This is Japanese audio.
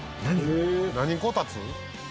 何こたつ？